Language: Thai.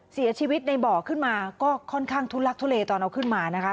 เสียชีวิตในบ่อขึ้นมาก็ค่อนข้างทุลักทุเลตอนเอาขึ้นมานะคะ